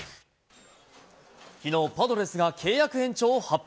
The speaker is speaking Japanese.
きのう、パドレスが契約延長を発表。